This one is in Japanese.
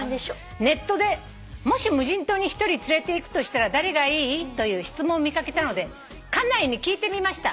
「ネットで『もし無人島に１人連れていくとしたら誰がいい？』という質問を見掛けたので家内に聞いてみました」